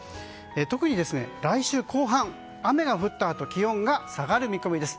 特に来週後半、雨が降ったあと気温が下がる見込みです。